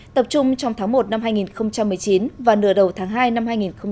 tập trung trong tháng một năm hai nghìn một mươi chín và nửa đầu tháng hai năm hai nghìn hai mươi